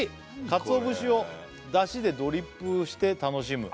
「かつおぶしを出汁でドリップして楽しむ」